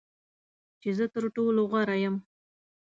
چې زه تر ټولو غوره یم .